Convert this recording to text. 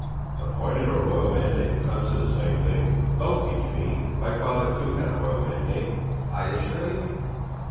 "Appointed or royal mandate, it comes to the same thing. Don't teach me! My father, too, had a royal mandate...." "I assure you...."